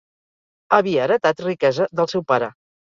Havia heretat riquesa del seu pare.